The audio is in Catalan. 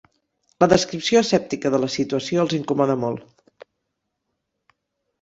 La descripció asèptica de la situació els incomoda molt.